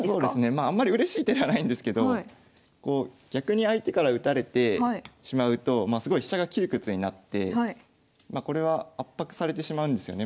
まああんまりうれしい手ではないんですけど逆に相手から打たれてしまうとすごい飛車が窮屈になってこれは圧迫されてしまうんですよね。